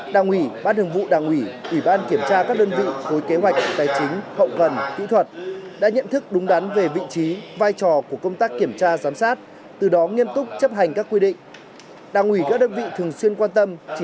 đảng ủy ban thường vụ đảng ủy ủy ban kiểm tra các đơn vị khối kế hoạch tài chính hậu cần kỹ thuật đã nhận thức đúng đắn về vị trí vai trò của công tác kiểm tra giám sát từ đó nghiêm túc chấp hành các quy định